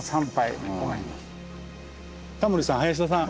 タモリさん林田さん